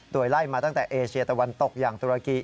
โดยไล่มาตั้งแต่เอเชียตะวันตกอย่างตุรกี